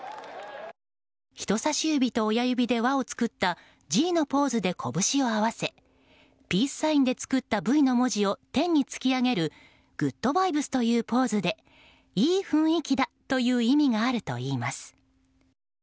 人差し指と親指で輪を作ったＧのポーズで拳を合わせ、ピースサインで作ったＶの文字を天に突き上げるグッドバイブスというポーズでいい雰囲気だという意味があるといいます。